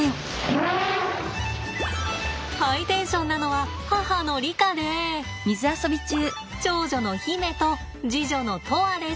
ハイテンションなのは母のリカで長女の媛と次女の砥愛です。